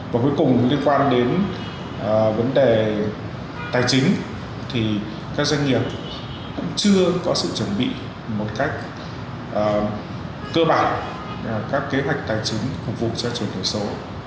và cuối cùng liên quan đến vấn đề tài chính thì các doanh nghiệp cũng chưa có sự chuẩn bị một cách cơ bản các kế hoạch tài chính phục vụ cho chuyển đổi số